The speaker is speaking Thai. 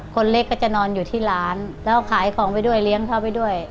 คนเล็กก็จะนอนอยู่ที่ร้านแล้วขายของไปด้วยเลี้ยงเขาไปด้วย